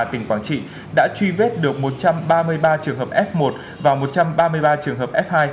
tỉnh quảng trị đã truy vết được một trăm ba mươi ba trường hợp f một và một trăm ba mươi ba trường hợp f hai